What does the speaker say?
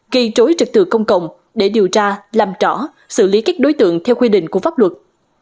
gây rối trực tự công cộng để điều tra làm rõ xử lý các đối tượng theo quy định của pháp luật